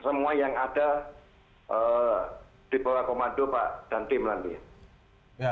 semua yang ada dibawa komando pak dantim nanti